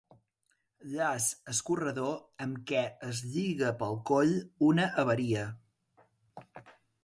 Llaç escorredor amb què es lliga pel coll una haveria.